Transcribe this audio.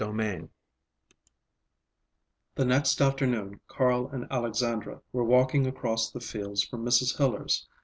III The next afternoon Carl and Alexandra were walking across the fields from Mrs. Hiller's.